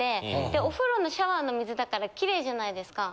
でお風呂のシャワーの水だからキレイじゃないですか。